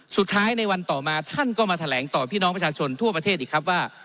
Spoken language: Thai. สุดท้ายในวันต่อมาท่านก็มาแถลงต่อพี่น้องประชาชนทั่วประเทศอีกครับว่า